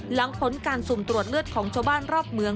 หลังผลการสุ่มตรวจเลือดของชาวบ้านรอบเมือง